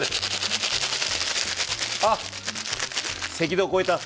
あっ赤道越えた。